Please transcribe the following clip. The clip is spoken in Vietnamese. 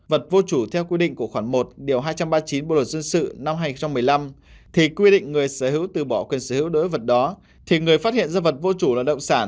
vật vô chủ theo quy định của khoản một hai trăm ba mươi chín bộ luật dân sự năm hai nghìn một mươi năm thì quy định người sở hữu từ bỏ quyền sở hữu đối vật đó thì người phát hiện dân vật vô chủ là động sản